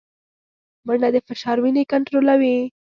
منډه د فشار وینې کنټرولوي